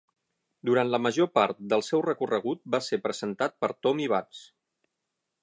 Durant la major part del seu recorregut, va ser presentat per Tommy Vance.